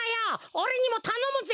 おれにもたのむぜ！